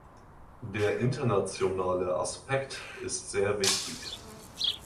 Der internationale Aspekt ist sehr wichtig.